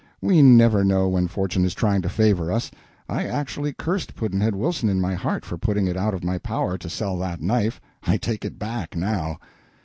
We never know when fortune is trying to favor us. I actually cursed Pudd'nhead Wilson in my heart for putting it out of my power to sell that knife. I take it back, now."